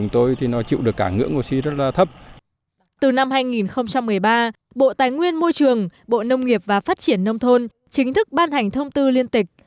từ năm hai nghìn một mươi ba bộ tài nguyên môi trường bộ nông nghiệp và phát triển nông thôn chính thức ban hành thông tư liên tịch